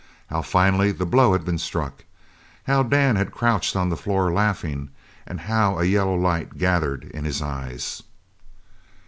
How finally the blow had been struck. How Dan had crouched on the floor, laughing, and how a yellow light gathered in his eyes.